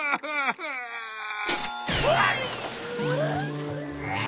うわっ！